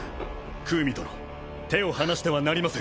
クウミ殿手を離してはなりません。